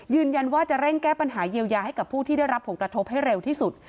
ยืนยันว่าจะเร่งแก้ปัญหาเยียวยาให้กับผู้ที่ได้รับผลกระทบให้เร็วที่สุด